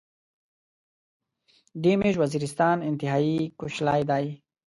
دې ميژ وزيرستان انتهایی کوشلاي داي